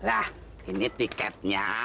lah ini tiketnya